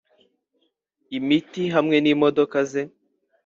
imiti hamwe n’imodoka ze